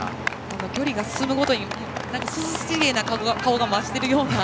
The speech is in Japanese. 距離が進むごとに涼しげな顔が増しているような。